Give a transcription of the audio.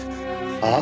ああ？